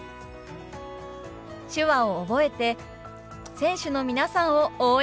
手話を覚えて選手の皆さんを応援しましょう！